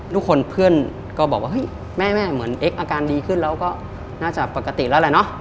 ทุกคนเพื่อนก็บอกว่าเฮ้ยแม่เหมือนเอ็กอาการดีขึ้นแล้วก็น่าจะปกติแล้วแหละเนอะ